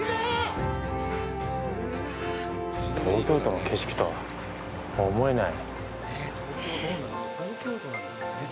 東京都の景色とは思えない。